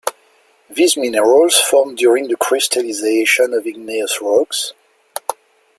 These minerals formed during the crystallization of igneous rocks.